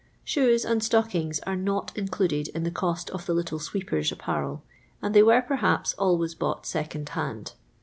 Shoes and stockings are not included in the cost of the little sweeper's apparel ; and they were, perhaps, always bought second hand.